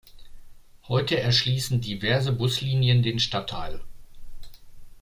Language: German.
Heute erschließen diverse Buslinien den Stadtteil.